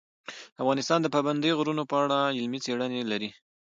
افغانستان د پابندی غرونه په اړه علمي څېړنې لري.